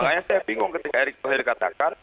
makanya saya bingung ketika erick thohir katakan